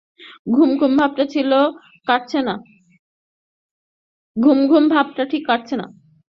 ঘুম ঘুম ভাবটা ঠিক কাটছে না!